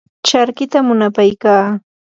charkita munapaykaa.